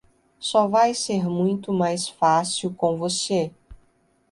Só vai ser muito mais fácil com você.